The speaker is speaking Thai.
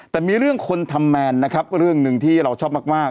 แต่มีเรื่องคนทำแมนนะครับเรื่องหนึ่งที่เราชอบมาก